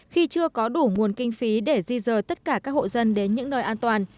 khi chưa có đủ nguồn kinh phí để di rời tất cả các hộ dân đến những nơi an toàn